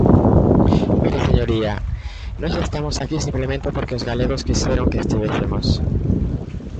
Mire, señoría, nós estamos aquí simplemente porque os galegos quixeron que estivésemos.